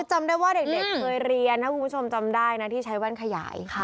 จำได้ว่าเด็กเคยเรียนถ้าคุณผู้ชมจำได้นะที่ใช้แว่นขยาย